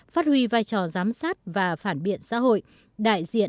phát huy vai trò giám sát và phản biện xã hội